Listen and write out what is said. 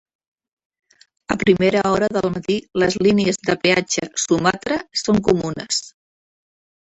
A primera hora del matí les línies de peatge "Sumatra" són comunes.